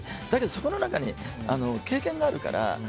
だけどその中に経験があるから。